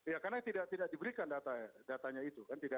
ya karena tidak diberikan datanya itu kan